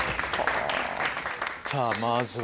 さぁまずは。